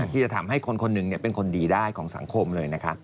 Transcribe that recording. ที่จะทำให้คนคนหนึ่งเป็นคนดีได้ของสังคมเลยนะคะ